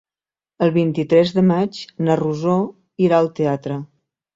El vint-i-tres de maig na Rosó irà al teatre.